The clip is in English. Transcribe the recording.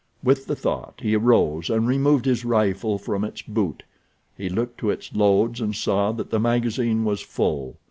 With the thought he arose and removed his rifle from its boot. He looked to its loads and saw that the magazine was full.